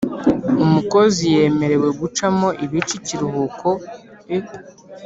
Umukozi yemerewqe gucamo ibice ikiruhukoe